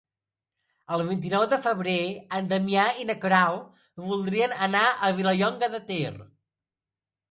El vint-i-nou de febrer en Damià i na Queralt voldrien anar a Vilallonga de Ter.